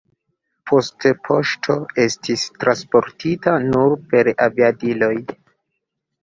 Poste poŝto estis transportita nur per aviadiloj.